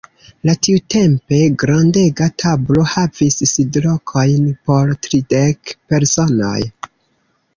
La tiutempe grandega tablo havis sidlokojn por tridek personoj.